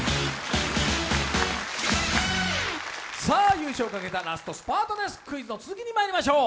さあ優勝をかけたラストスパートです。